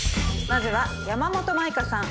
まずは山本舞香さん